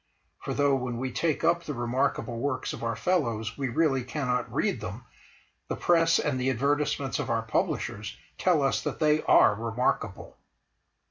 —for though, when we take up the remarkable works of our fellows, we "really cannot read them!" the Press and the advertisements of our publishers tell us that they are "remarkable."